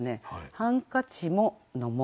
「ハンカチも」の「も」